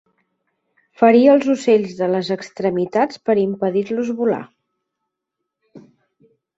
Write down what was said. Ferir els ocells de les extremitats per impedir-los volar.